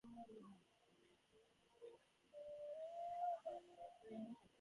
He stated a sufficient condition for a graph to contain a Hamiltonian circuit.